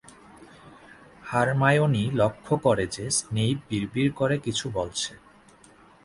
Hermione লক্ষ্য করে যে, স্নেইপ বিড়বিড় করে কিছু বলছে।